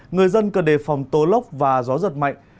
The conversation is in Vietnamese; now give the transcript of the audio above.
người dân cần đề phòng tố lốc và gió giật mạnh